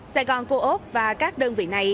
sài gòn cô ốc và các đơn vị này